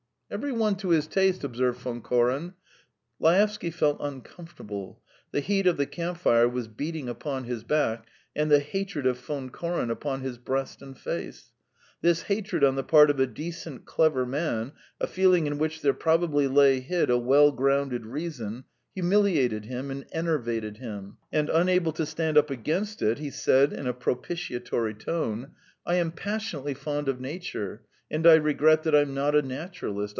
'" "Every one to his taste," observed Von Koren. Laevsky felt uncomfortable; the heat of the campfire was beating upon his back, and the hatred of Von Koren upon his breast and face: this hatred on the part of a decent, clever man, a feeling in which there probably lay hid a well grounded reason, humiliated him and enervated him, and unable to stand up against it, he said in a propitiatory tone: "I am passionately fond of nature, and I regret that I'm not a naturalist.